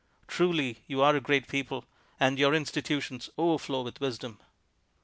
Truly you are a great people, and your institutions overflow with wisdom."